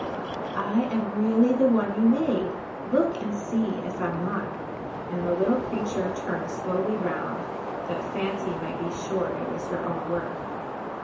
"I am really the one you made: look, and see if I'm not;" and the little creature turned slowly round, that Fancy might be sure it was her own work.